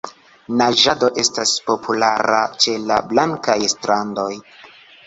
Naĝado estas populara ĉe la blankaj strandoj.